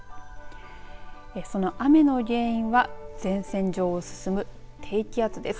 その雨の原因は前線上を進む低気圧です。